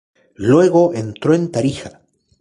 Luego entró en Tarija.